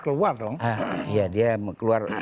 keluar dong ya dia keluar